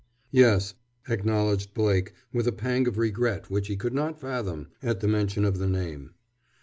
"Yes," acknowledged Blake, with a pang of regret which he could not fathom, at the mention of the name.